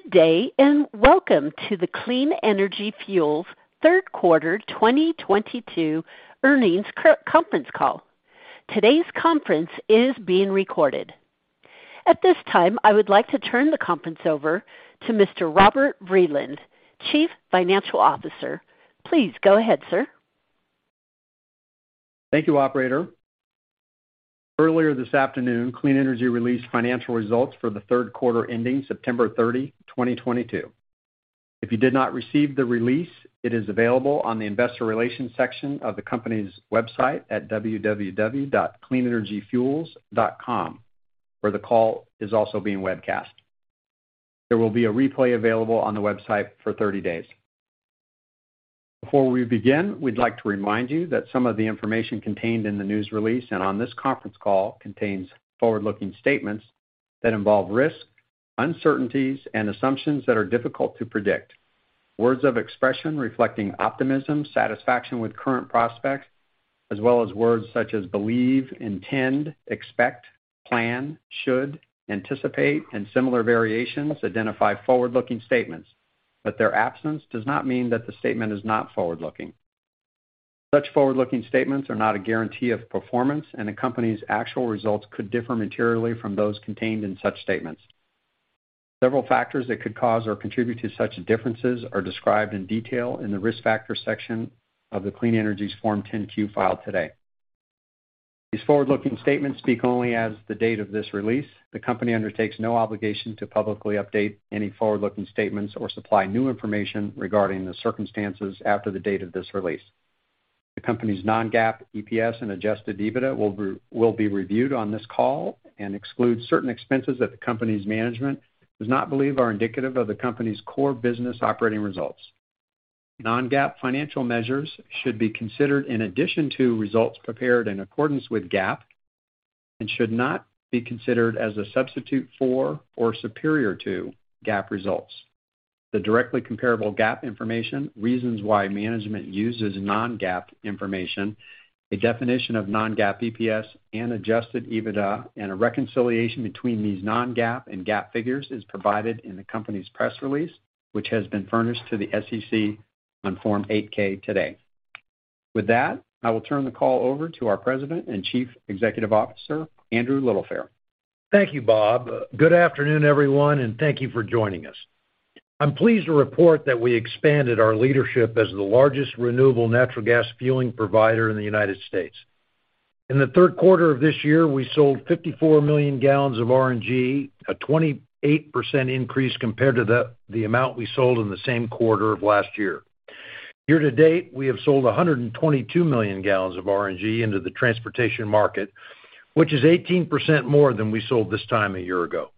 Good day, and welcome to the Clean Energy Fuels third quarter 2022 earnings conference call. Today's conference is being recorded. At this time, I would like to turn the conference over to Mr. Robert Vreeland, Chief Financial Officer. Please go ahead, sir. Thank you, operator. Earlier this afternoon, Clean Energy released financial results for the third quarter ending September 30, 2022. If you did not receive the release, it is available on the investor relations section of the company's website at www.cleanenergyfuels.com, where the call is also being webcast. There will be a replay available on the website for 30 days. Before we begin, we'd like to remind you that some of the information contained in the news release and on this conference call contains forward-looking statements that involve risks, uncertainties, and assumptions that are difficult to predict. Words of expression reflecting optimism, satisfaction with current prospects, as well as words such as "believe," "intend," "expect," "plan," "should," "anticipate," and similar variations identify forward-looking statements, but their absence does not mean that the statement is not forward-looking. Such forward-looking statements are not a guarantee of performance. The company's actual results could differ materially from those contained in such statements. Several factors that could cause or contribute to such differences are described in detail in the Risk Factors section of Clean Energy's Form 10-Q filed today. These forward-looking statements speak only as of the date of this release. The company undertakes no obligation to publicly update any forward-looking statements or supply new information regarding the circumstances after the date of this release. The company's non-GAAP EPS and adjusted EBITDA will be reviewed on this call and exclude certain expenses that the company's management does not believe are indicative of the company's core business operating results. Non-GAAP financial measures should be considered in addition to results prepared in accordance with GAAP and should not be considered as a substitute for or superior to GAAP results. The directly comparable GAAP information, reasons why management uses non-GAAP information, a definition of non-GAAP EPS and adjusted EBITDA, and a reconciliation between these non-GAAP and GAAP figures is provided in the company's press release, which has been furnished to the SEC on Form 8-K today. With that, I will turn the call over to our President and Chief Executive Officer, Andrew Littlefair. Thank you, Bob. Good afternoon, everyone, and thank you for joining us. I'm pleased to report that we expanded our leadership as the largest renewable natural gas fueling provider in the U.S. In the third quarter of this year, we sold 54 million gallons of RNG, a 28% increase compared to the amount we sold in the same quarter of last year. Year to date, we have sold 122 million gallons of RNG into the transportation market, which is 18% more than we sold this time a year ago.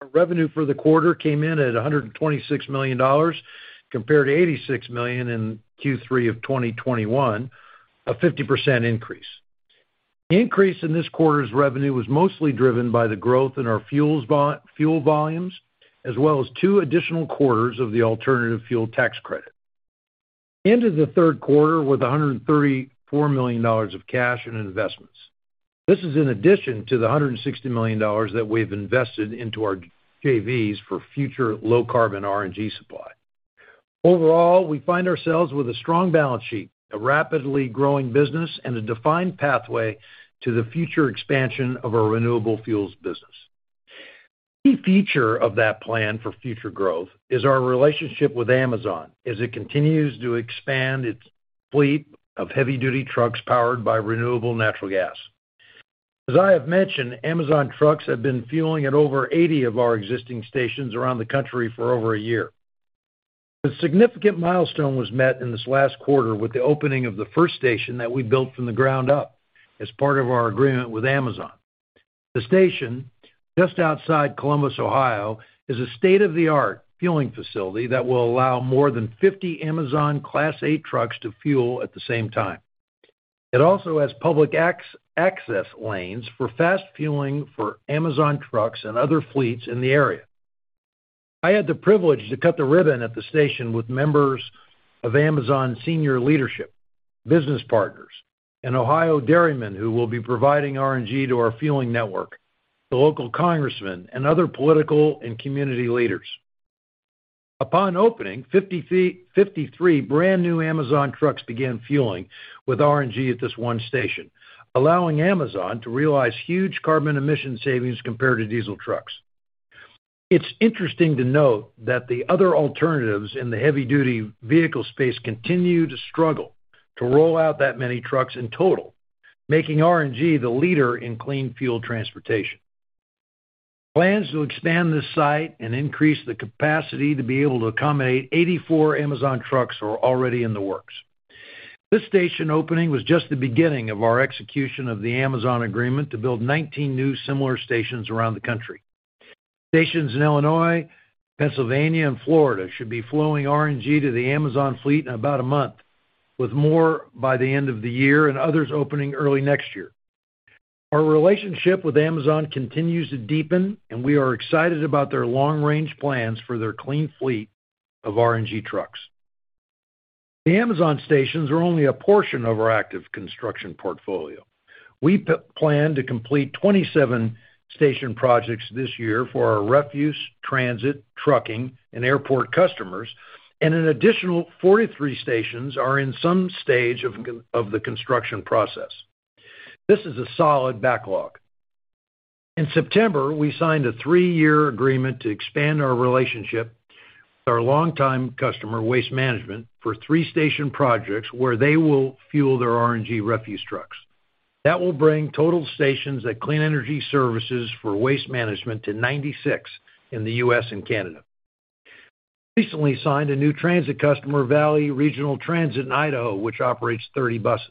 Our revenue for the quarter came in at $126 million, compared to $86 million in Q3 of 2021, a 50% increase. The increase in this quarter's revenue was mostly driven by the growth in our fuel volumes, as well as two additional quarters of the alternative fuel tax credit. We ended the third quarter with $134 million of cash and investments. This is in addition to the $160 million that we've invested into our JVs for future low-carbon RNG supply. Overall, we find ourselves with a strong balance sheet, a rapidly growing business, and a defined pathway to the future expansion of our renewable fuels business. A key feature of that plan for future growth is our relationship with Amazon as it continues to expand its fleet of heavy-duty trucks powered by renewable natural gas. As I have mentioned, Amazon trucks have been fueling at over 80 of our existing stations around the country for over a year. A significant milestone was met in this last quarter with the opening of the first station that we built from the ground up as part of our agreement with Amazon. The station, just outside Columbus, Ohio, is a state-of-the-art fueling facility that will allow more than 50 Amazon Class 8 trucks to fuel at the same time. It also has public access lanes for fast fueling for Amazon trucks and other fleets in the area. I had the privilege to cut the ribbon at the station with members of Amazon senior leadership, business partners, an Ohio dairyman who will be providing RNG to our fueling network, the local congressman, and other political and community leaders. Upon opening, 53 brand-new Amazon trucks began fueling with RNG at this one station, allowing Amazon to realize huge carbon emission savings compared to diesel trucks. It's interesting to note that the other alternatives in the heavy-duty vehicle space continue to struggle to roll out that many trucks in total, making RNG the leader in clean fuel transportation. Plans to expand this site and increase the capacity to be able to accommodate 84 Amazon trucks are already in the works. This station opening was just the beginning of our execution of the Amazon agreement to build 19 new similar stations around the country. Stations in Illinois, Pennsylvania, and Florida should be flowing RNG to the Amazon fleet in about a month, with more by the end of the year and others opening early next year. Our relationship with Amazon continues to deepen, and we are excited about their long-range plans for their clean fleet of RNG trucks. The Amazon stations are only a portion of our active construction portfolio. We plan to complete 27 station projects this year for our refuse, transit, trucking, and airport customers, and an additional 43 stations are in some stage of the construction process. This is a solid backlog. In September, we signed a three-year agreement to expand our relationship with our longtime customer, Waste Management, for three station projects where they will fuel their RNG refuse trucks. That will bring total stations at Clean Energy Services for Waste Management to 96 in the U.S. and Canada. Recently signed a new transit customer, Valley Regional Transit in Idaho, which operates 30 buses.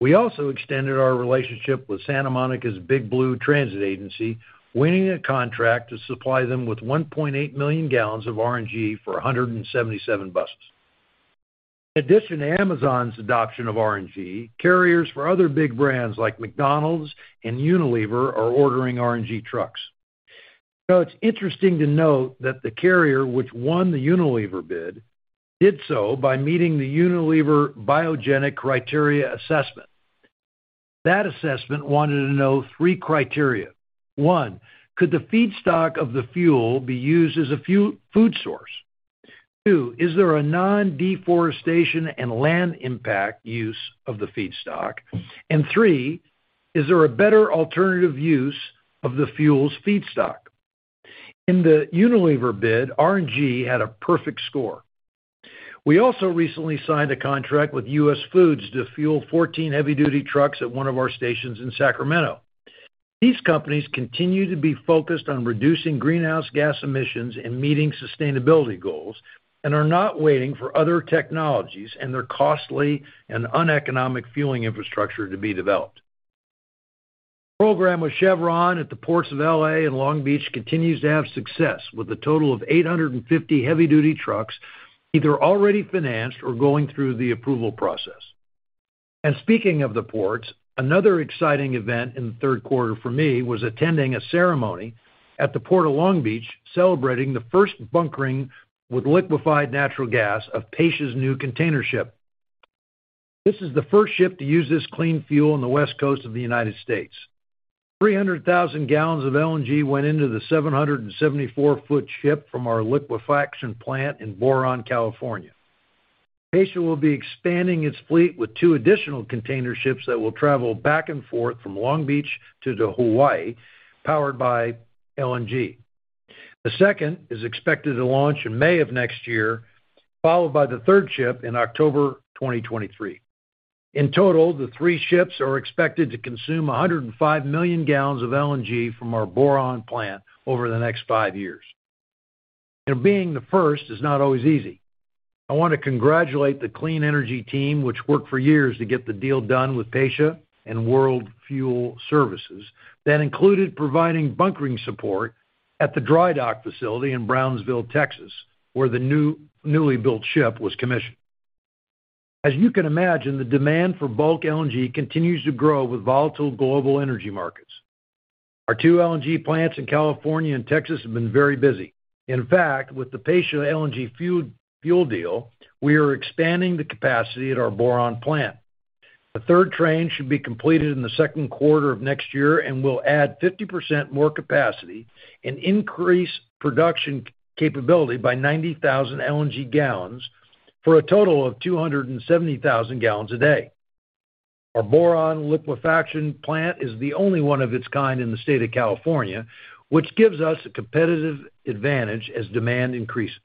We also extended our relationship with Santa Monica's Big Blue Bus, winning a contract to supply them with 1.8 million gallons of RNG for 177 buses. In addition to Amazon's adoption of RNG, carriers for other big brands like McDonald's and Unilever are ordering RNG trucks. It's interesting to note that the carrier which won the Unilever bid did so by meeting the Unilever Biogenic Criteria Assessment. That assessment wanted to know three criteria. One, could the feedstock of the fuel be used as a food source? Two, is there a non-deforestation and land impact use of the feedstock? Three, is there a better alternative use of the fuel's feedstock? In the Unilever bid, RNG had a perfect score. We also recently signed a contract with US Foods to fuel 14 heavy-duty trucks at one of our stations in Sacramento. These companies continue to be focused on reducing greenhouse gas emissions and meeting sustainability goals and are not waiting for other technologies and their costly and uneconomic fueling infrastructure to be developed. Program with Chevron at the ports of L.A. and Long Beach continues to have success with a total of 850 heavy-duty trucks either already financed or going through the approval process. Speaking of the ports, another exciting event in the third quarter for me was attending a ceremony at the Port of Long Beach celebrating the first bunkering with liquefied natural gas of Pasha's new container ship. This is the first ship to use this clean fuel on the West Coast of the United States. 300,000 gallons of LNG went into the 774-foot ship from our liquefaction plant in Boron, California. Pasha will be expanding its fleet with two additional container ships that will travel back and forth from Long Beach to Hawaii, powered by LNG. The second is expected to launch in May of next year, followed by the third ship in October 2023. In total, the three ships are expected to consume 105 million gallons of LNG from our Boron plant over the next five years. You know, being the first is not always easy. I want to congratulate the Clean Energy team, which worked for years to get the deal done with Pasha and World Fuel Services. That included providing bunkering support at the dry dock facility in Brownsville, Texas, where the newly built ship was commissioned. As you can imagine, the demand for bulk LNG continues to grow with volatile global energy markets. Our two LNG plants in California and Texas have been very busy. In fact, with the Pasha LNG fuel deal, we are expanding the capacity at our Boron plant. The third train should be completed in the second quarter of next year and will add 50% more capacity and increase production capability by 90,000 LNG gallons for a total of 270,000 gallons a day. Our Boron liquefaction plant is the only one of its kind in the state of California, which gives us a competitive advantage as demand increases.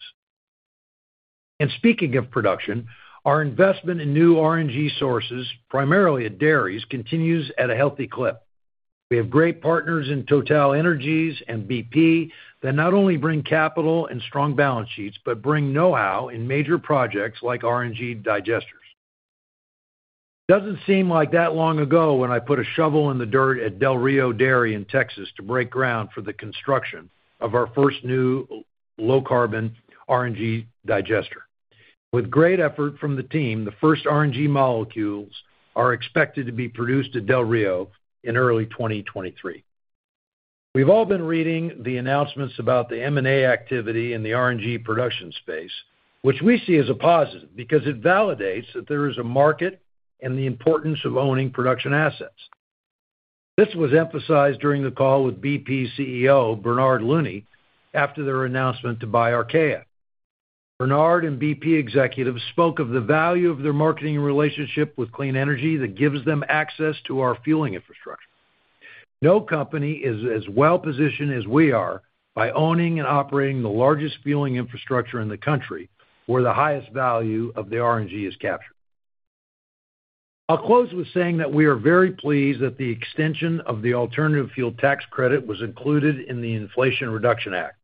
Speaking of production, our investment in new RNG sources, primarily at dairies, continues at a healthy clip. We have great partners in TotalEnergies and BP that not only bring capital and strong balance sheets but bring know-how in major projects like RNG digesters. Doesn't seem like that long ago when I put a shovel in the dirt at Del Rio Dairy in Texas to break ground for the construction of our first new low-carbon RNG digester. With great effort from the team, the first RNG molecules are expected to be produced at Del Rio in early 2023. We've all been reading the announcements about the M&A activity in the RNG production space, which we see as a positive because it validates that there is a market and the importance of owning production assets. This was emphasized during the call with BP CEO Bernard Looney after their announcement to buy Archaea Energy. Bernard and BP executives spoke of the value of their marketing relationship with Clean Energy Fuels that gives them access to our fueling infrastructure. No company is as well-positioned as we are by owning and operating the largest fueling infrastructure in the country, where the highest value of the RNG is captured. I'll close with saying that we are very pleased that the extension of the alternative fuel tax credit was included in the Inflation Reduction Act.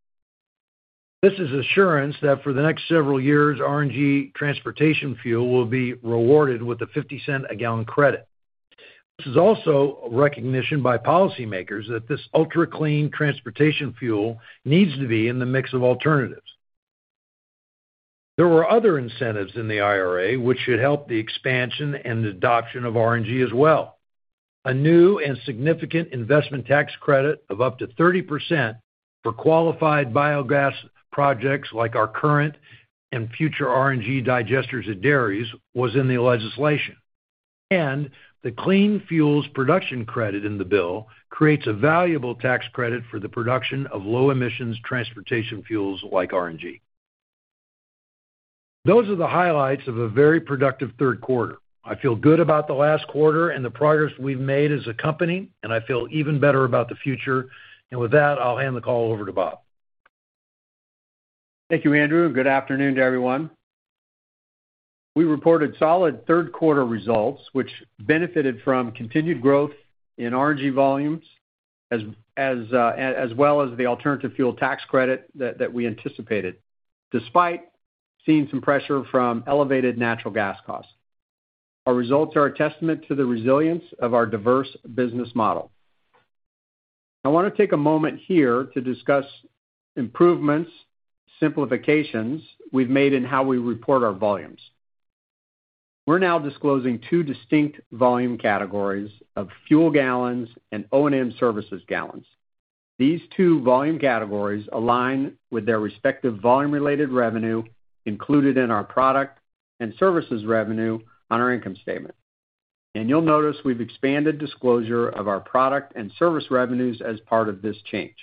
This is assurance that for the next several years, RNG transportation fuel will be rewarded with a $0.50 a gallon credit. This is also a recognition by policymakers that this ultra-clean transportation fuel needs to be in the mix of alternatives. There were other incentives in the IRA, which should help the expansion and adoption of RNG as well. A new and significant investment tax credit of up to 30% for qualified biogas projects like our current and future RNG digesters at dairies was in the legislation. The clean fuels production credit in the bill creates a valuable tax credit for the production of low emissions transportation fuels like RNG. Those are the highlights of a very productive third quarter. I feel good about the last quarter and the progress we've made as a company, and I feel even better about the future. With that, I'll hand the call over to Bob. Thank you, Andrew. Good afternoon to everyone. We reported solid third quarter results, which benefited from continued growth in RNG volumes, as well as the alternative fuel tax credit that we anticipated, despite seeing some pressure from elevated natural gas costs. Our results are a testament to the resilience of our diverse business model. I want to take a moment here to discuss improvements, simplifications we've made in how we report our volumes. We're now disclosing two distinct volume categories of fuel gallons and O&M services gallons. These two volume categories align with their respective volume-related revenue included in our product and services revenue on our income statement. You'll notice we've expanded disclosure of our product and service revenues as part of this change.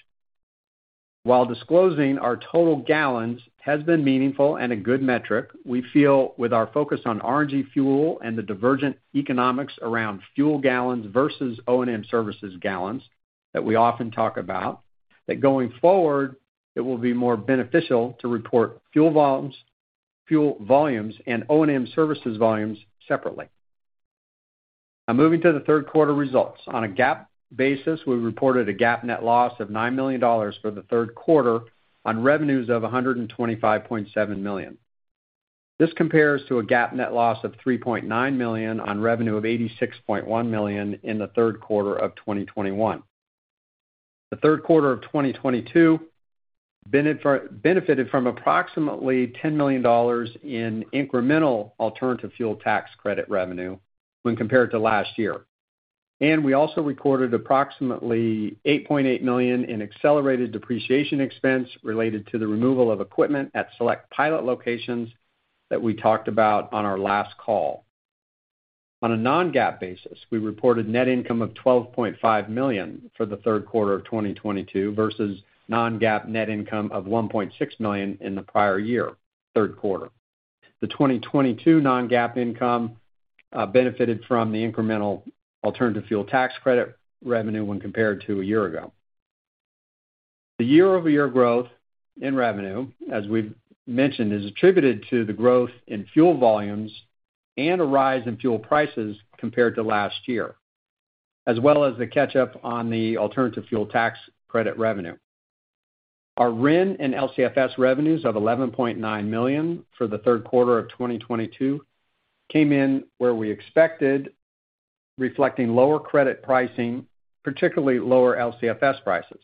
While disclosing our total gallons has been meaningful and a good metric, we feel with our focus on RNG fuel and the divergent economics around fuel gallons versus O&M services gallons that we often talk about, that going forward, it will be more beneficial to report fuel volumes and O&M services volumes separately. Moving to the third quarter results. On a GAAP basis, we reported a GAAP net loss of $9 million for the third quarter on revenues of $125.7 million. This compares to a GAAP net loss of $3.9 million on revenue of $86.1 million in the third quarter of 2021. The third quarter of 2022 benefited from approximately $10 million in incremental alternative fuel tax credit revenue when compared to last year. We also recorded approximately $8.8 million in accelerated depreciation expense related to the removal of equipment at select pilot locations that we talked about on our last call. On a non-GAAP basis, we reported net income of $12.5 million for the third quarter of 2022 versus non-GAAP net income of $1.6 million in the prior year, third quarter. The 2022 non-GAAP income benefited from the incremental alternative fuel tax credit revenue when compared to a year ago. The year-over-year growth in revenue, as we've mentioned, is attributed to the growth in fuel volumes and a rise in fuel prices compared to last year, as well as the catch-up on the alternative fuel tax credit revenue. Our RIN and LCFS revenues of $11.9 million for the third quarter of 2022 came in where we expected, reflecting lower credit pricing, particularly lower LCFS prices.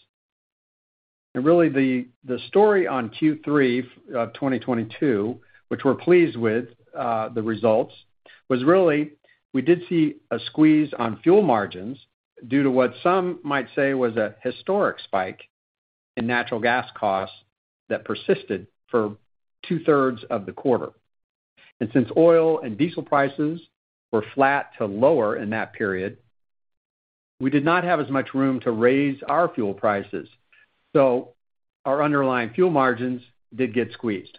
Really, the story on Q3 of 2022, which we're pleased with the results, was really we did see a squeeze on fuel margins due to what some might say was a historic spike in natural gas costs that persisted for two-thirds of the quarter. Since oil and diesel prices were flat to lower in that period, we did not have as much room to raise our fuel prices. Our underlying fuel margins did get squeezed.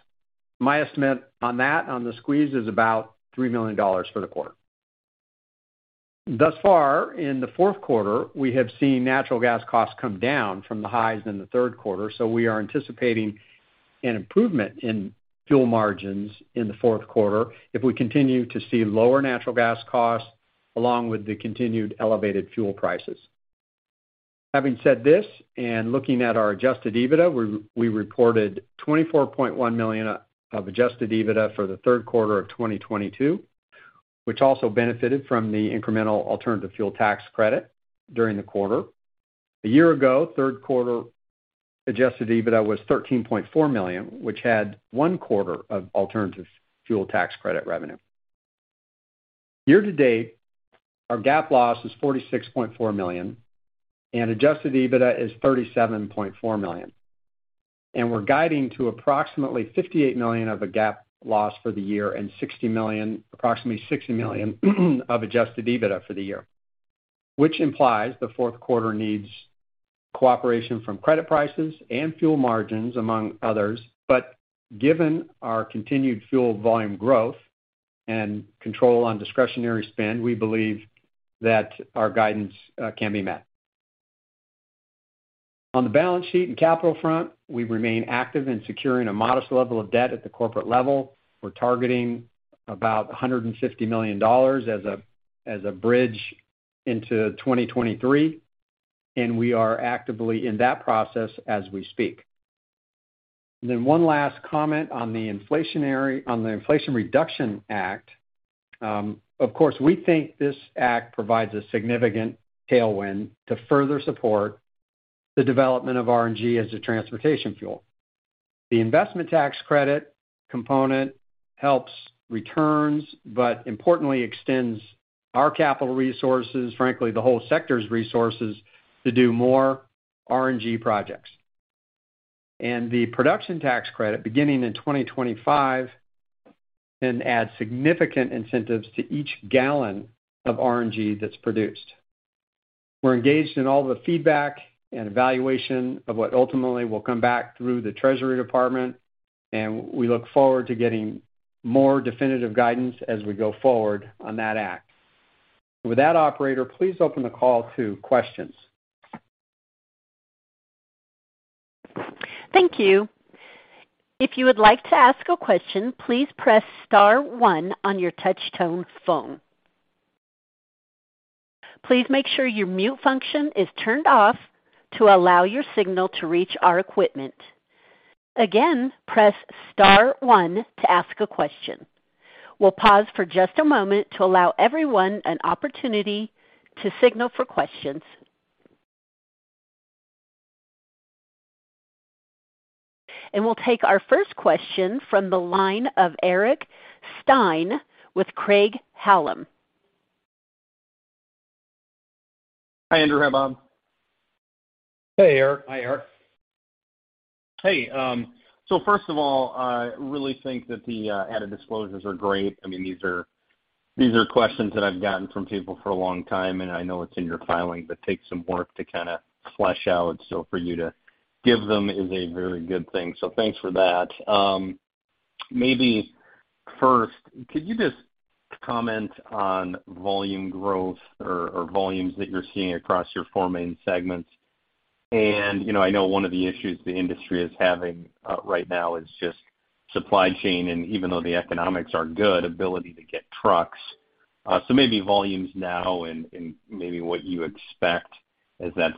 My estimate on that, on the squeeze, is about $3 million for the quarter. Thus far, in the fourth quarter, we have seen natural gas costs come down from the highs in the third quarter. We are anticipating an improvement in fuel margins in the fourth quarter if we continue to see lower natural gas costs along with the continued elevated fuel prices. Having said this, looking at our adjusted EBITDA, we reported $24.1 million of adjusted EBITDA for the third quarter of 2022, which also benefited from the incremental alternative fuel tax credit during the quarter. A year ago, third quarter adjusted EBITDA was $13.4 million, which had one quarter of alternative fuel tax credit revenue. Year-to-date, our GAAP loss is $46.4 million and adjusted EBITDA is $37.4 million. We're guiding to approximately $58 million of a GAAP loss for the year and approximately $60 million of adjusted EBITDA for the year, which implies the fourth quarter needs cooperation from credit prices and fuel margins, among others. Given our continued fuel volume growth and control on discretionary spend, we believe that our guidance can be met. On the balance sheet and capital front, we remain active in securing a modest level of debt at the corporate level. We're targeting about $150 million as a bridge into 2023, and we are actively in that process as we speak. One last comment on the Inflation Reduction Act. Of course, we think this act provides a significant tailwind to further support the development of RNG as a transportation fuel. The investment tax credit component helps returns, but importantly extends our capital resources, frankly, the whole sector's resources, to do more RNG projects. The production tax credit, beginning in 2025, can add significant incentives to each gallon of RNG that's produced. We're engaged in all the feedback and evaluation of what ultimately will come back through the Treasury Department, and we look forward to getting more definitive guidance as we go forward on that act. With that, operator, please open the call to questions. Thank you. If you would like to ask a question, please press star one on your touch-tone phone. Please make sure your mute function is turned off to allow your signal to reach our equipment. Again, press star one to ask a question. We'll pause for just a moment to allow everyone an opportunity to signal for questions. We'll take our first question from the line of Eric Stine with Craig-Hallum. Hi, Andrew. Hi, Bob. Hey, Eric. Hi, Eric. Hey. First of all, I really think that the added disclosures are great. These are questions that I've gotten from people for a long time, and I know it's in your filing, but takes some work to kind of flesh out. For you to give them is a very good thing. Thanks for that. Maybe first, could you just comment on volume growth or volumes that you're seeing across your 4 main segments? I know one of the issues the industry is having right now is just supply chain, and even though the economics are good, ability to get trucks. Maybe volumes now and maybe what you expect as that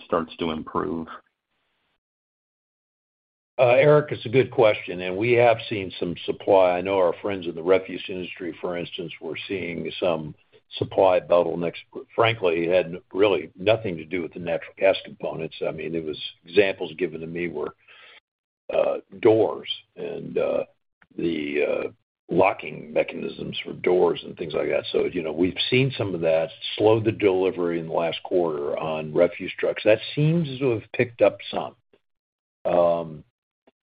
starts to improve. Eric, it's a good question. We have seen some supply. I know our friends in the refuse industry, for instance, were seeing some supply bottlenecks. Frankly, it had really nothing to do with the natural gas components. Examples given to me were doors and the locking mechanisms for doors and things like that.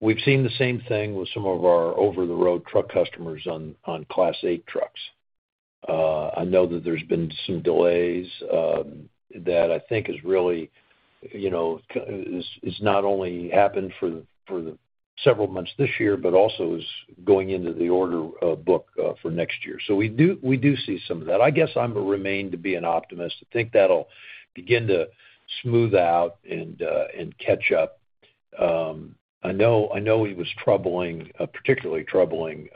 We've seen some of that slow the delivery in the last quarter on refuse trucks. That seems to have picked up some. We've seen the same thing with some of our over-the-road truck customers on Class 8 trucks. I know that there's been some delays that I think is not only happened for the several months this year, but also is going into the order book for next year. We do see some of that. I guess I'm remained to be an optimist. I think that'll begin to smooth out and catch up. I know it was particularly troubling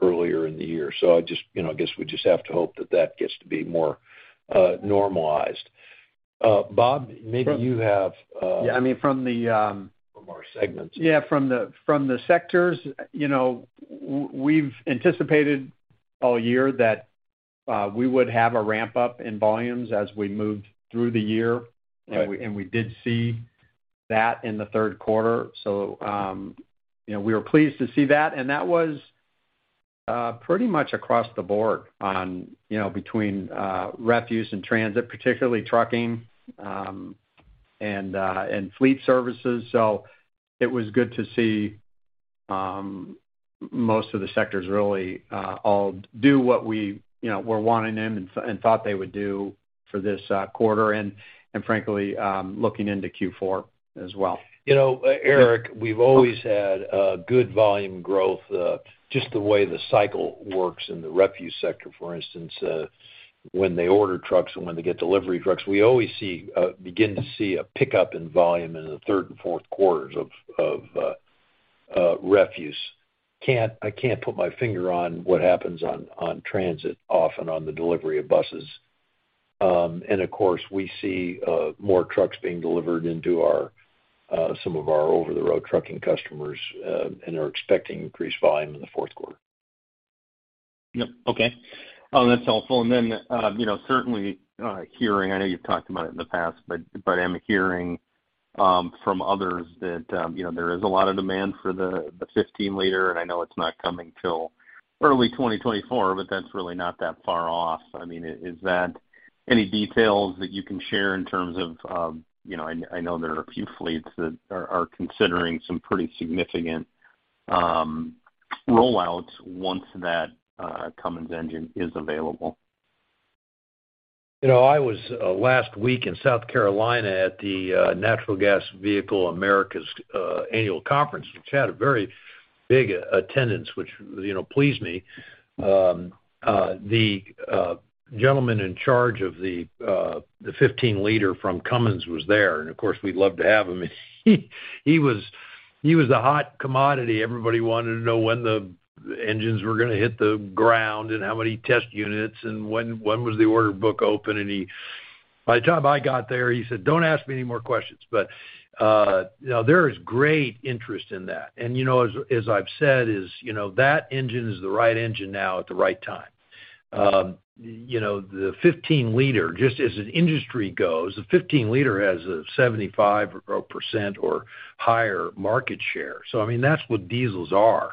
earlier in the year. I guess we just have to hope that that gets to be more normalized. Bob, maybe you have. Yeah. From our segments. Yeah, from the sectors, we've anticipated all year that we would have a ramp-up in volumes as we moved through the year. Right. We did see that in the third quarter. We were pleased to see that, and that was pretty much across the board between refuse and transit, particularly trucking and fleet services. It was good to see most of the sectors really all do what we were wanting them and thought they would do for this quarter, and frankly, looking into Q4 as well. Eric, we've always had good volume growth, just the way the cycle works in the refuse sector, for instance. When they order trucks and when they get delivery trucks, we always begin to see a pickup in volume in the third and fourth quarters of refuse. I can't put my finger on what happens on transit often on the delivery of buses. Of course, we see more trucks being delivered into some of our over-the-road trucking customers and are expecting increased volume in the fourth quarter. Yep. Okay. That's helpful. Certainly hearing, I know you've talked about it in the past, but I am hearing from others that there is a lot of demand for the 15-liter, and I know it's not coming till early 2024, but that's really not that far off. Is that any details that you can share in terms of, I know there are a few fleets that are considering some pretty significant roll-outs once that Cummins engine is available? I was last week in South Carolina at the Natural Gas Vehicles for America's annual conference, which had a very big attendance, which pleased me. The gentleman in charge of the 15-liter from Cummins was there, of course, we'd love to have him. He was the hot commodity. Everybody wanted to know when the engines were going to hit the ground and how many test units and when was the order book open. By the time I got there, he said, "Don't ask me any more questions." There is great interest in that. As I've said is, that engine is the right engine now at the right time. The 15-liter, just as an industry goes, the 15-liter has a 75% or higher market share. I mean, that's what diesels are.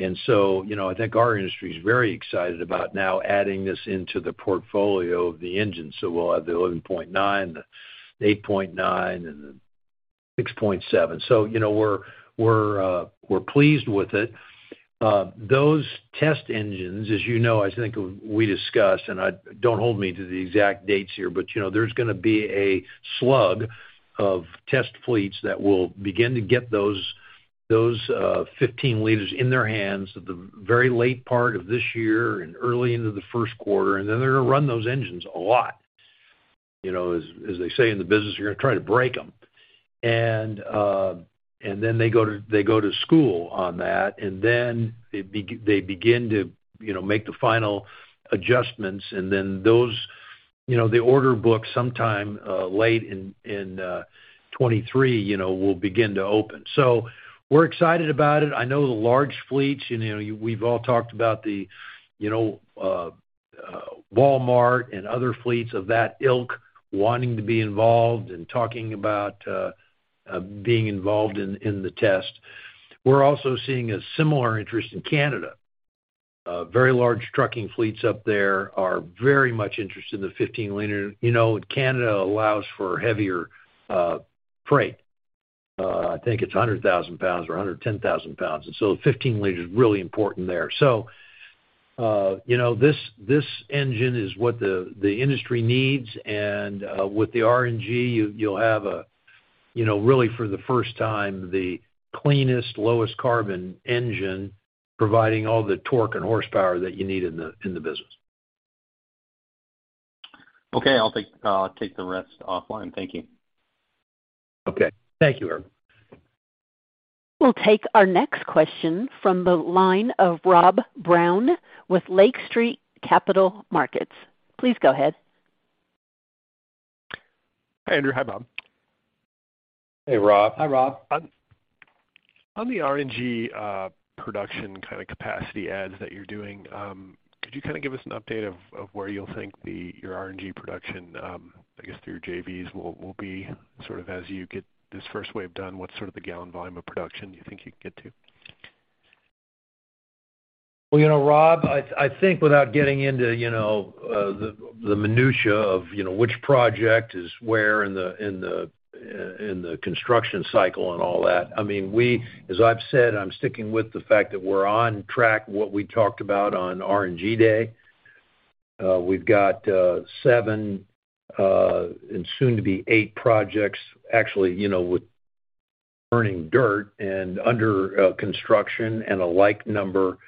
I think our industry is very excited about now adding this into the portfolio of the engine. We'll have the 11.9, the 8.9, and the 6.7. We're pleased with it. Those test engines, as you know, I think we discussed, and don't hold me to the exact dates here, but there's going to be a slug of test fleets that will begin to get those 15-liters in their hands at the very late part of this year and early into the first quarter. They're going to run those engines a lot. As they say in the business, you're going to try to break them. They go to school on that. They begin to make the final adjustments. The order book sometime late in 2023 will begin to open. We're excited about it. I know the large fleets, we've all talked about Walmart and other fleets of that ilk wanting to be involved and talking about being involved in the test. We're also seeing a similar interest in Canada. Very large trucking fleets up there are very much interested in the 15-liter. Canada allows for heavier freight. I think it's 100,000 pounds or 110,000 pounds. The 15-liter is really important there. This engine is what the industry needs, and with the RNG, you'll have, really for the first time, the cleanest, lowest carbon engine providing all the torque and horsepower that you need in the business. Okay. I'll take the rest offline. Thank you. Okay. Thank you, Eric. We'll take our next question from the line of Rob Brown with Lake Street Capital Markets. Please go ahead. Hi, Andrew. Hi, Bob. Hey, Rob. Hi, Rob. On the RNG production kind of capacity adds that you're doing, could you give us an update of where you'll think your RNG production, I guess through your JVs, will be as you get this first wave done? What's the gallon volume of production you think you can get to? Well, Rob, I think without getting into the minutia of which project is where in the construction cycle and all that, as I've said, I'm sticking with the fact that we're on track what we talked about on RNG Day. We've got seven and soon to be eight projects actually with turning dirt and under construction and a like number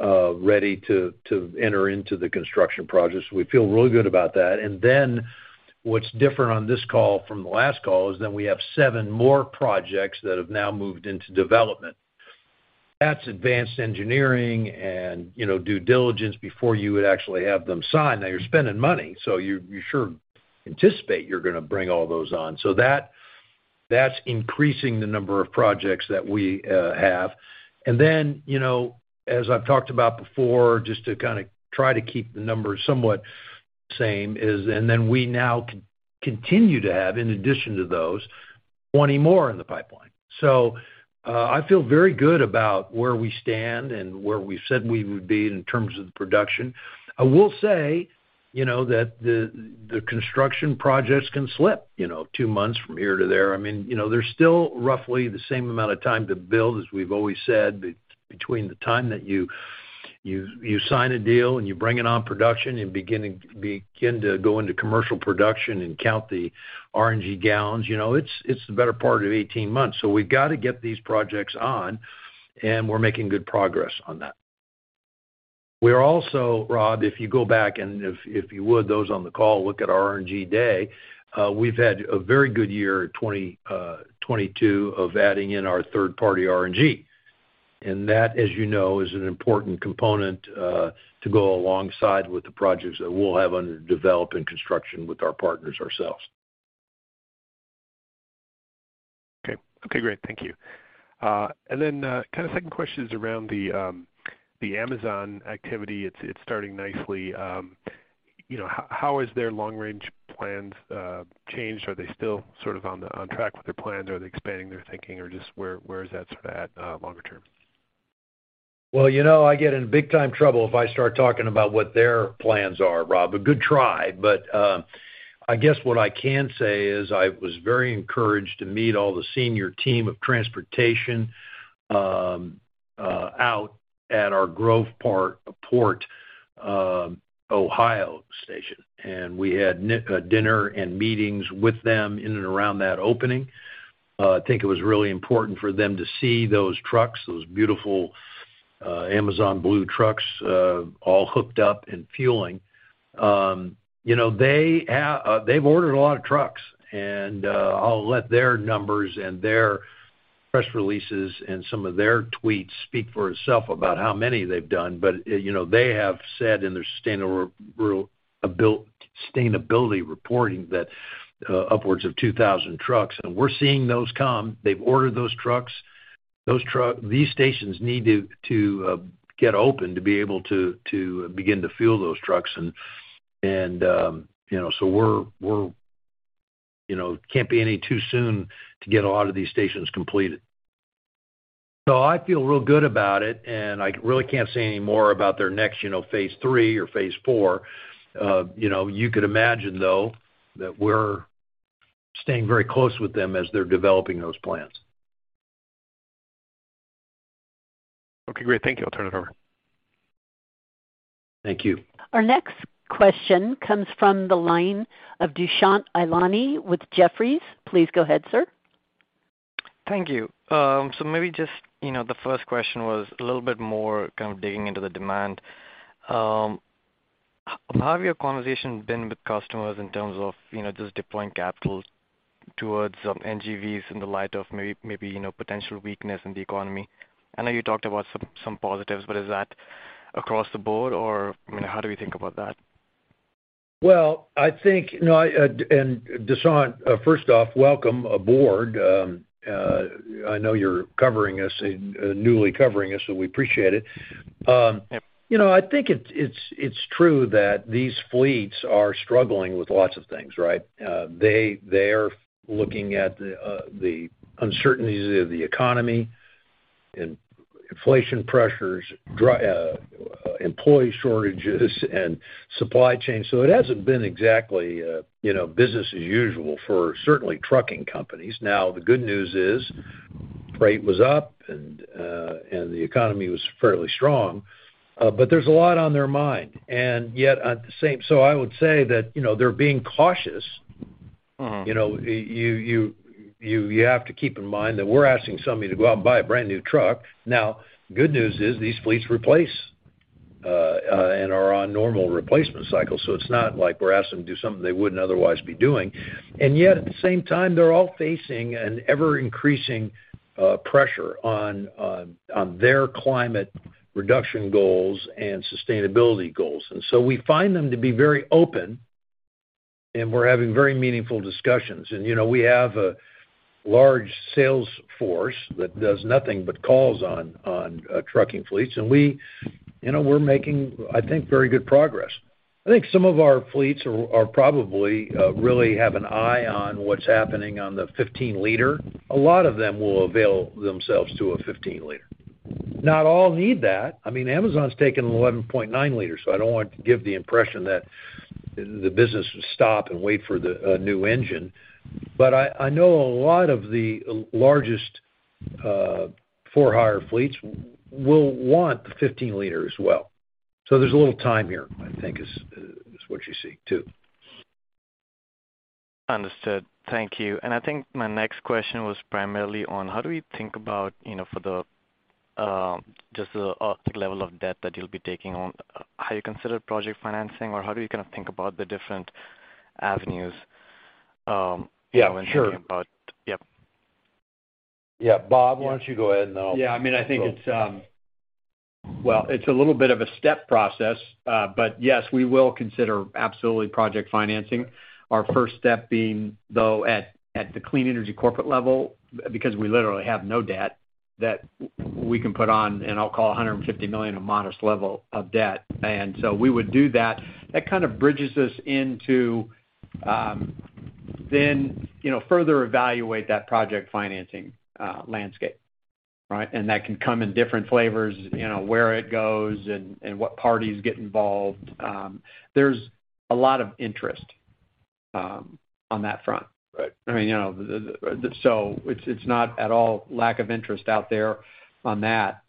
ready to enter into the construction projects. We have seven more projects that have now moved into development. That's advanced engineering and due diligence before you would actually have them sign. Now you're spending money, so you sure anticipate you're going to bring all those on. That's increasing the number of projects that we have. As I've talked about before, just to kind of try to keep the numbers somewhat the same is, and then we now continue to add, in addition to those, 20 more in the pipeline. I feel very good about where we stand and where we said we would be in terms of the production. I will say that the construction projects can slip two months from here to there. There's still roughly the same amount of time to build, as we've always said, between the time that you sign a deal, and you bring it on production and begin to go into commercial production and count the RNG gallons. It's the better part of 18 months. We've got to get these projects on, and we're making good progress on that. We're also, Rob, if you go back and if you would, those on the call, look at RNG Day, we've had a very good year, 2022, of adding in our third-party RNG. That, as you know, is an important component to go alongside with the projects that we'll have under develop and construction with our partners ourselves. Okay, great. Thank you. Second question is around the Amazon activity. It's starting nicely. How has their long-range plans changed? Are they still on track with their plans? Are they expanding their thinking? Just where is that at longer term? I get in big time trouble if I start talking about what their plans are, Rob. A good try, but I guess what I can say is I was very encouraged to meet all the senior team of transportation out at our Groveport, Ohio station. We had dinner and meetings with them in and around that opening. I think it was really important for them to see those trucks, those beautiful Amazon blue trucks all hooked up and fueling. They've ordered a lot of trucks, and I'll let their numbers and their press releases and some of their tweets speak for itself about how many they've done. They have said in their sustainability reporting that upwards of 2,000 trucks, and we're seeing those come. They've ordered those trucks. These stations need to get open to be able to begin to fuel those trucks. It can't be any too soon to get a lot of these stations completed. I feel real good about it, and I really can't say any more about their next phase three or phase four. You could imagine, though, that we're staying very close with them as they're developing those plans. Okay, great. Thank you. I'll turn it over. Thank you. Our next question comes from the line of Dushyant Ailani with Jefferies. Please go ahead, sir. Thank you. Maybe just the first question was a little bit more kind of digging into the demand. How have your conversations been with customers in terms of just deploying capital towards NGVs in the light of maybe potential weakness in the economy? I know you talked about some positives, is that across the board, or how do we think about that? I think No, Dushyant, first off, welcome aboard. I know you're newly covering us, we appreciate it. Yeah. I think it's true that these fleets are struggling with lots of things, right? They are looking at the uncertainties of the economy and inflation pressures, employee shortages and supply chain. It hasn't been exactly business as usual for certainly trucking companies. Now, the good news is freight was up and the economy was fairly strong. There's a lot on their mind. I would say that they're being cautious. You have to keep in mind that we're asking somebody to go out and buy a brand-new truck. Now, good news is these fleets replace and are on normal replacement cycles, it's not like we're asking them to do something they wouldn't otherwise be doing. At the same time, they're all facing an ever-increasing pressure on their climate reduction goals and sustainability goals. We find them to be very open, we're having very meaningful discussions. We have a large sales force that does nothing but calls on trucking fleets, we're making, I think, very good progress. I think some of our fleets probably really have an eye on what's happening on the X15N. A lot of them will avail themselves to a X15N. Not all need that. Amazon's taken an [ISX12N-liter], I don't want to give the impression that the business would stop and wait for the new engine. I know a lot of the largest for-hire fleets will want the X15N as well. There's a little time here, I think is what you see, too. Understood. Thank you. I think my next question was primarily on how do we think about just the level of debt that you'll be taking on. How do you consider project financing, how do we kind of think about the different avenues. Yeah, sure Yep. Yeah. Bob. Yeah Why don't you go ahead and. Yeah. Well, it's a little bit of a step process. Yes, we will consider absolutely project financing. Our first step being, though, at the Clean Energy corporate level, because we literally have no debt that we can put on, and I'll call $150 million a modest level of debt. We would do that. That kind of bridges us into then further evaluate that project financing landscape, right? That can come in different flavors, where it goes and what parties get involved. There's a lot of interest on that front. Right. It's not at all lack of interest out there on that.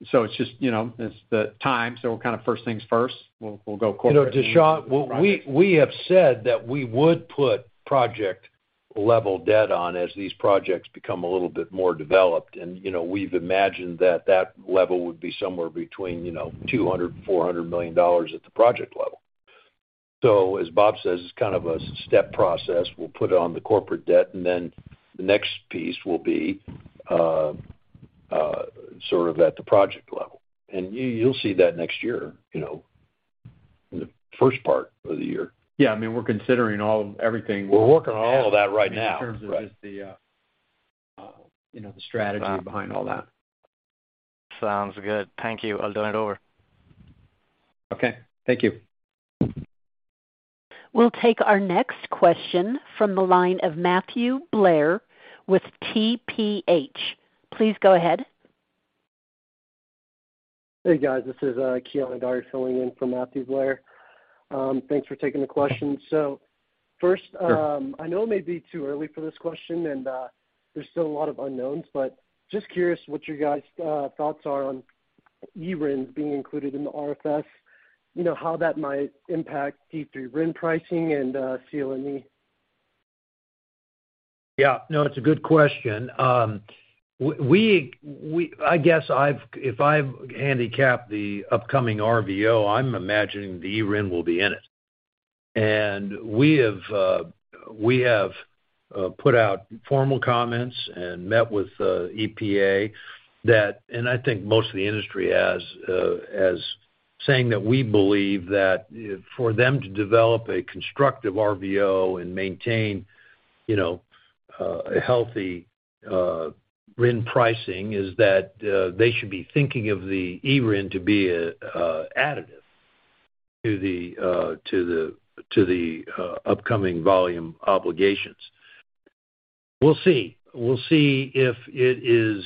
It's the time, so we're kind of first things first. We'll go corporate. Dushant- Then we'll go to the projects We have said that we would put project-level debt on as these projects become a little bit more developed. We've imagined that that level would be somewhere between $200 million-$400 million at the project level. As Bob says, it's kind of a step process. We'll put it on the corporate debt, then the next piece will be sort of at the project level. You'll see that next year, in the first part of the year. Yeah. We're considering everything. We're working on all of that right now in terms of just the strategy behind all that. Sounds good. Thank you. I'll turn it over. Okay, thank you. We'll take our next question from the line of Matthew Blair with TPH&Co. Please go ahead. Hey, guys. This is Kealan Dyer filling in for Matthew Blair. Thanks for taking the question. Sure I know it may be too early for this question, and there's still a lot of unknowns, just curious what your guys' thoughts are on eRINs being included in the RFS. How that might impact D3 RIN pricing and CLNE. Yeah. No, it's a good question. I guess if I've handicapped the upcoming RVO, I'm imagining the eRIN will be in it. We have put out formal comments and met with EPA, and I think most of the industry has, as saying that we believe that for them to develop a constructive RVO and maintain a healthy RIN pricing is that they should be thinking of the eRIN to be additive to the upcoming volume obligations. We'll see. We'll see if it is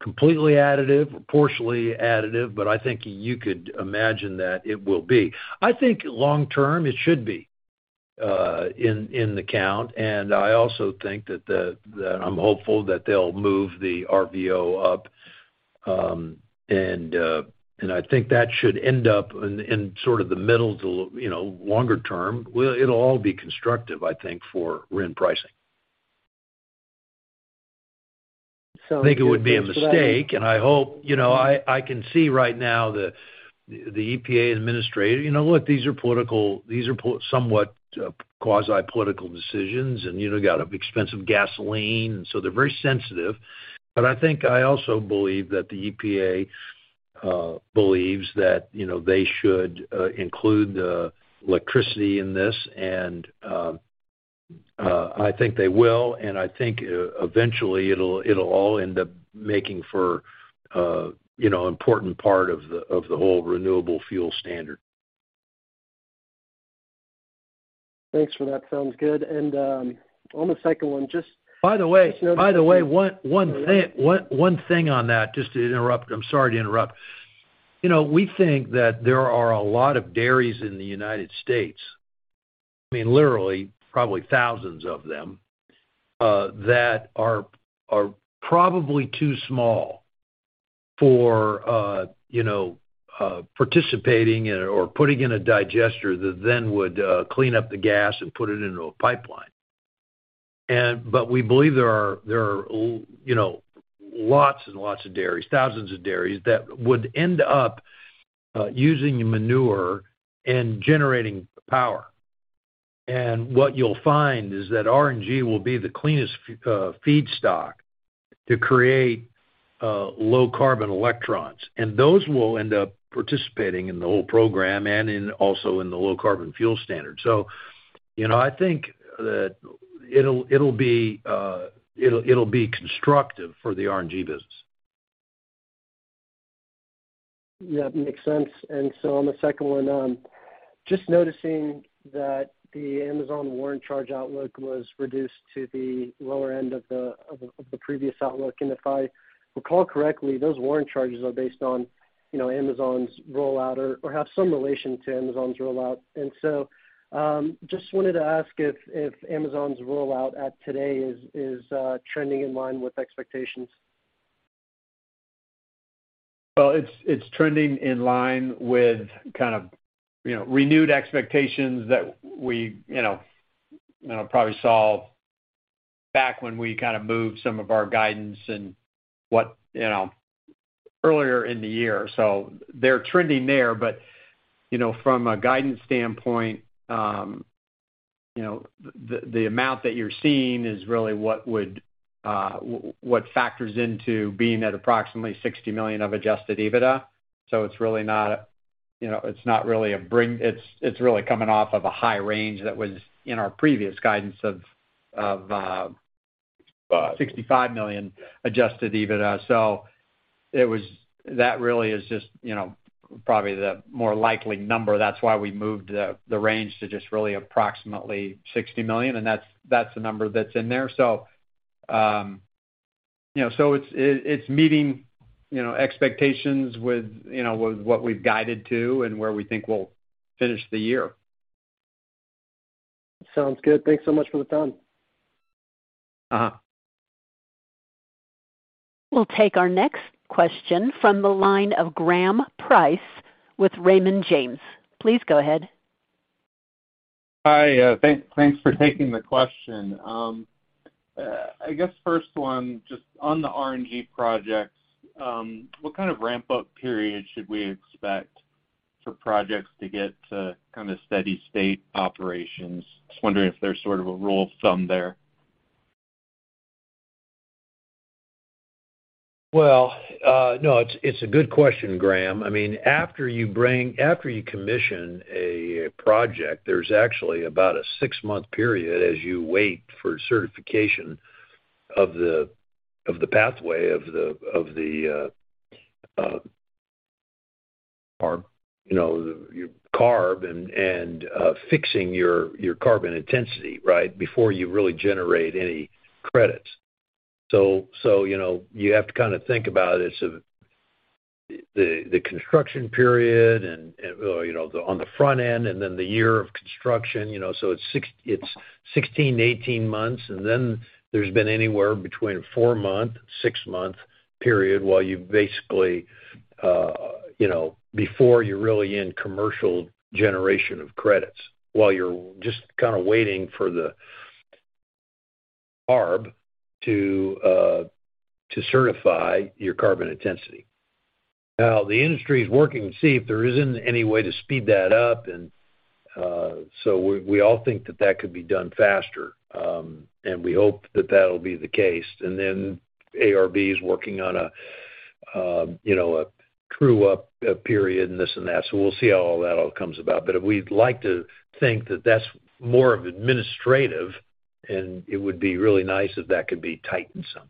completely additive or partially additive, but I think you could imagine that it will be. I think long-term, it should be in the count, and I also think that I'm hopeful that they'll move the RVO up. I think that should end up in sort of the middle to longer term. It'll all be constructive, I think, for RIN pricing. Thanks for that. I think it would be a mistake, and I can see right now the EPA Administrator. Look, these are somewhat quasi-political decisions, and you've got expensive gasoline, and so they're very sensitive. I think I also believe that the EPA believes that they should include electricity in this, and I think they will, and I think eventually it'll all end up making for an important part of the whole Renewable Fuel Standard. Thanks for that. Sounds good. On the second one. By the way, one thing on that, just to interrupt. I'm sorry to interrupt. We think that there are a lot of dairies in the United States, I mean, literally probably thousands of them, that are probably too small for participating or putting in a digester that then would clean up the gas and put it into a pipeline. We believe there are lots and lots of dairies, thousands of dairies, that would end up using manure and generating power. What you'll find is that RNG will be the cleanest feedstock to create low-carbon electrons, and those will end up participating in the whole program and also in the Low Carbon Fuel Standard. I think that it'll be constructive for the RNG business. Yeah, that makes sense. On the second one, just noticing that the Amazon warrant charge outlook was reduced to the lower end of the previous outlook. If I recall correctly, those warrant charges are based on Amazon's rollout or have some relation to Amazon's rollout. Just wanted to ask if Amazon's rollout at today is trending in line with expectations. It's trending in line with kind of renewed expectations that we probably saw back when we kind of moved some of our guidance earlier in the year. They're trending there. From a guidance standpoint, the amount that you're seeing is really what factors into being at approximately $60 million of adjusted EBITDA. It's really coming off of a high range that was in our previous guidance. Well- $65 million adjusted EBITDA. That really is just probably the more likely number. That's why we moved the range to just really approximately $60 million, that's the number that's in there. It's meeting expectations with what we've guided to and where we think we'll finish the year. Sounds good. Thanks so much for the time. We'll take our next question from the line of Graham Price with Raymond James. Please go ahead. Hi. Thanks for taking the question. I guess first one, just on the RNG projects, what kind of ramp-up period should we expect for projects to get to kind of steady state operations? Just wondering if there's sort of a rule of thumb there. Well, no, it's a good question, Graham. After you commission a project, there's actually about a six-month period as you wait for certification of the pathway of the- Carb your CARB and fixing your carbon intensity, right? Before you really generate any credits. You have to kind of think about it. The construction period on the front end and then the year of construction, so it's 16-18 months, and then there's been anywhere between four-month, six-month period before you're really in commercial generation of credits. While you're just kind of waiting for the CARB to certify your carbon intensity. The industry is working to see if there isn't any way to speed that up, we all think that that could be done faster. We hope that that'll be the case. CARB is working on a true-up period and this and that. We'll see how all that comes about. We'd like to think that that's more of administrative, and it would be really nice if that could be tightened some.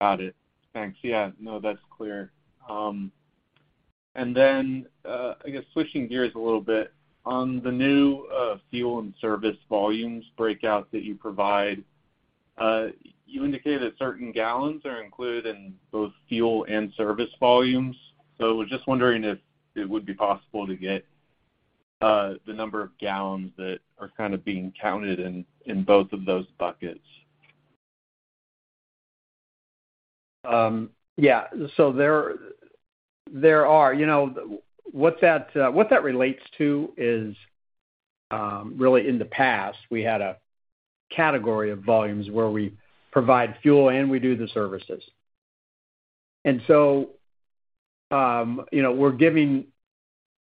Got it. Thanks. Yeah. No, that's clear. I guess switching gears a little bit, on the new fuel and service volumes breakout that you provide, you indicated certain gallons are included in both fuel and service volumes. Was just wondering if it would be possible to get the number of gallons that are being counted in both of those buckets. Yeah. There are. What that relates to is really in the past, we had a category of volumes where we provide fuel and we do the services.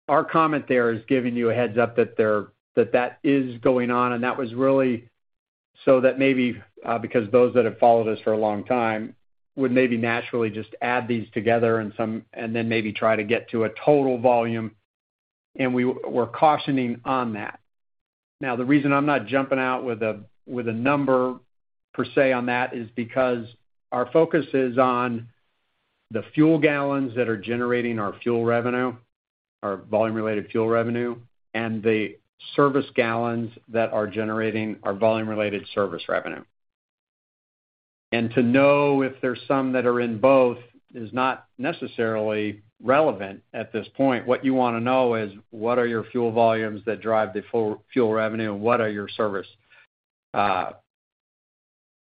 Our comment there is giving you a heads-up that that is going on, and that was really so that maybe because those that have followed us for a long time would maybe naturally just add these together and then maybe try to get to a total volume, and we're cautioning on that. The reason I'm not jumping out with a number per se on that is because our focus is on the fuel gallons that are generating our fuel revenue, our volume-related fuel revenue, and the service gallons that are generating our volume-related service revenue. To know if there's some that are in both is not necessarily relevant at this point. What you want to know is what are your fuel volumes that drive the fuel revenue, and what are your service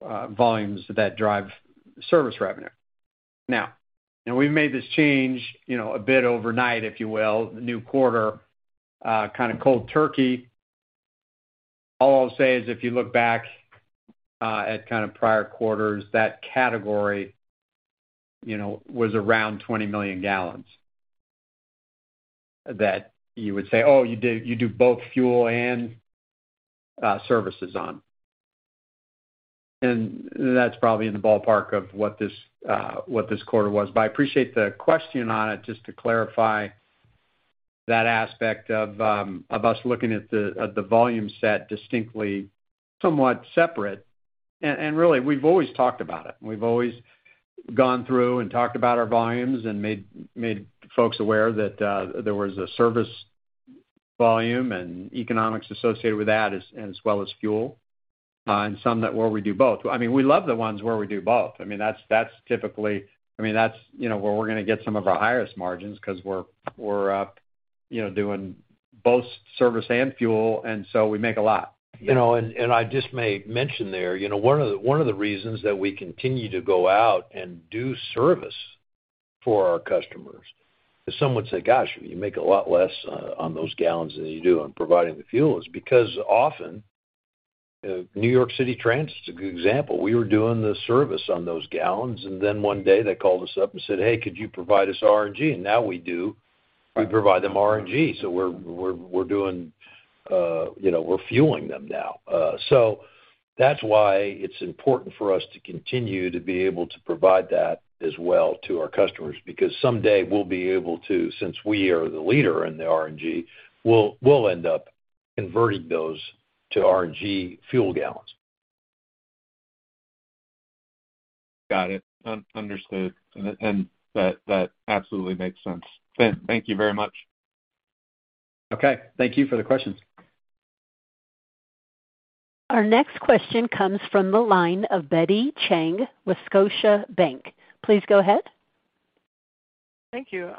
volumes that drive service revenue? We've made this change a bit overnight, if you will, the new quarter, kind of cold turkey. All I'll say is if you look back at prior quarters, that category was around 20 million gallons that you would say, "Oh, you do both fuel and services on." That's probably in the ballpark of what this quarter was. I appreciate the question on it, just to clarify that aspect of us looking at the volume set distinctly somewhat separate. We've always talked about it. We've always gone through and talked about our volumes and made folks aware that there was a service volume and economics associated with that as well as fuel, and some where we do both. We love the ones where we do both. That's where we're going to get some of our highest margins because we're doing both service and fuel, and so we make a lot. I just may mention there, one of the reasons that we continue to go out and do service for our customers is some would say, "Gosh, you make a lot less on those gallons than you do on providing the fuel," is because often, New York City Transit is a good example. We were doing the service on those gallons, one day they called us up and said, "Hey, could you provide us RNG?" Now we do. Right. We provide them RNG. We're fueling them now. That's why it's important for us to continue to be able to provide that as well to our customers, because someday we'll be able to, since we are the leader in the RNG, we'll end up converting those to RNG fuel gallons. Got it. Understood. That absolutely makes sense. Thank you very much. Okay. Thank you for the questions. Our next question comes from the line of Betty Zhang with Scotiabank. Please go ahead. Thank you.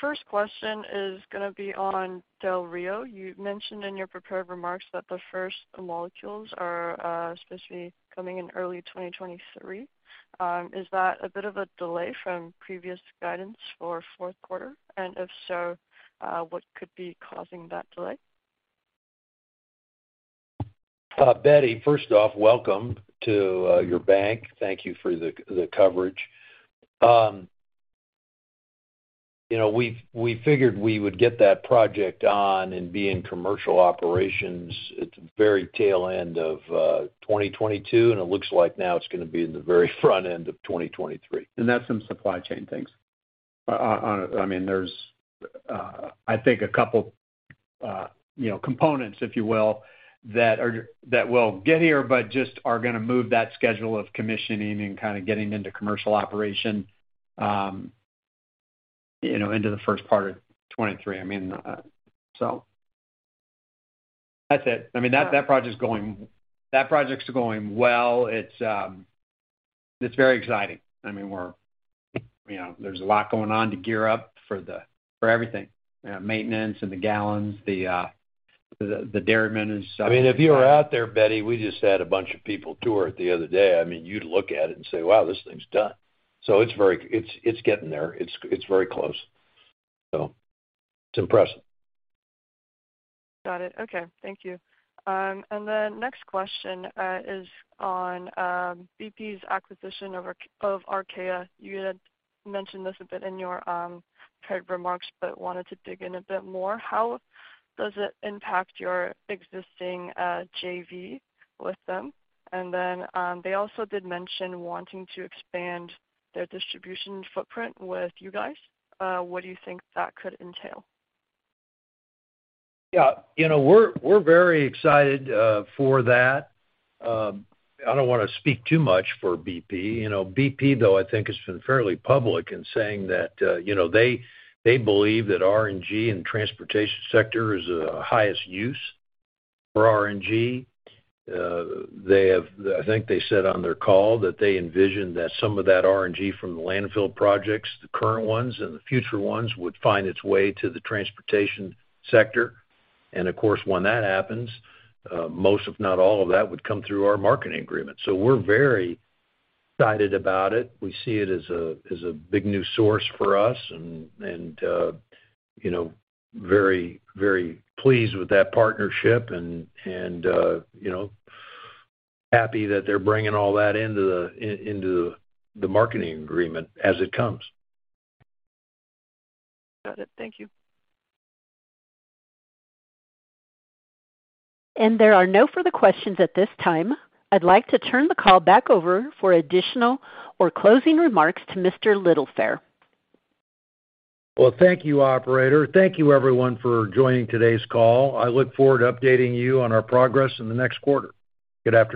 First question is going to be on Del Rio Dairy. You mentioned in your prepared remarks that the first molecules are supposed to be coming in early 2023. Is that a bit of a delay from previous guidance for fourth quarter? If so, what could be causing that delay? Betty, first off, welcome to your bank. Thank you for the coverage. We figured we would get that project on and be in commercial operations at the very tail end of 2022. It looks like now it's going to be in the very front end of 2023. That's some supply chain things. There's I think a couple components, if you will, that will get here, but just are going to move that schedule of commissioning and kind of getting into commercial operation into the first part of 2023. That's it. That project's going well. It's very exciting. There's a lot going on to gear up for everything, maintenance and the gallons, the dairy emissions. If you were out there, Betty, we just had a bunch of people tour it the other day. You'd look at it and say, "Wow, this thing's done." It's getting there. It's very close. It's impressive. Got it. Okay. Thank you. The next question is on BP's acquisition of Archaea. You had mentioned this a bit in your prepared remarks but wanted to dig in a bit more. How does it impact your existing JV with them? They also did mention wanting to expand their distribution footprint with you guys. What do you think that could entail? Yeah. We're very excited for that. I don't want to speak too much for BP. BP, though, I think has been fairly public in saying that they believe that RNG in the transportation sector is the highest use for RNG. I think they said on their call that they envision that some of that RNG from the landfill projects, the current ones and the future ones, would find its way to the transportation sector. Of course, when that happens, most, if not all of that, would come through our marketing agreement. We're very excited about it. We see it as a big new source for us, and very pleased with that partnership, and happy that they're bringing all that into the marketing agreement as it comes. Got it. Thank you. There are no further questions at this time. I'd like to turn the call back over for additional or closing remarks to Mr. Littlefair. Well, thank you, operator. Thank you everyone for joining today's call. I look forward to updating you on our progress in the next quarter. Good afternoon.